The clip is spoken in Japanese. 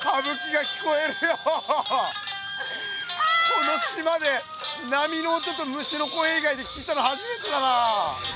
この島で波の音と虫の声いがいで聞いたのはじめてだなあ。